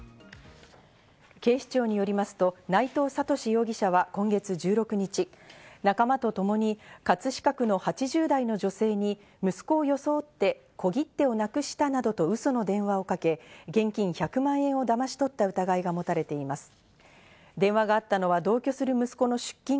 警視庁によりますと内藤智史容疑者は今月１６日、仲間とともに葛飾区の８０代の女性に息子を装って小切手をなくしたなどとウソの電話をかけ、現金１００万円をだまお天気です。